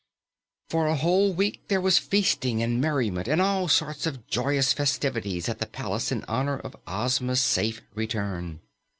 For a whole week there was feasting and merriment and all sorts of joyous festivities at the palace in honor of Ozma's safe return.